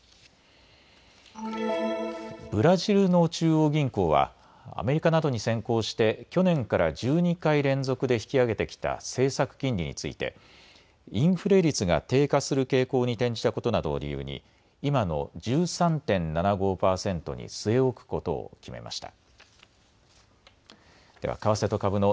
ブラジルの中央銀行はアメリカなどに先行して去年から１２回連続で引き上げてきた政策金利についてインフレ率が低下する傾向に転じたことなどを理由に今の１３．７５％に据え置くことを決めました。